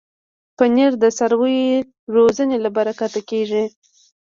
پنېر د څارویو روزنې له برکته کېږي.